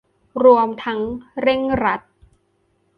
รวมทั้งเร่งรัด